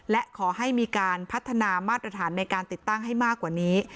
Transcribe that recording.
และขอให้มีการพัฒนามาตรฐานในการติดตั้งให้มากกว่านี้